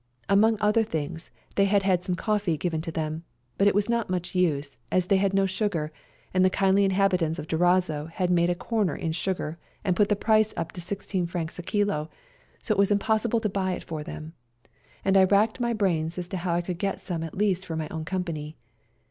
Among other things they had had some coffee given to them, but it was not much use, as they had no sugar, and the kindly inhabitants of Durazzo had made a corner in sugar and put the price up to Frs. 16 a kilo ; so it was impossible to buy it for them, and I 180 SERBIAN CHRISTMAS DAY racked my brains as to how I could get some at least for my own company.